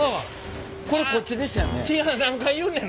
これこっちでしたよね？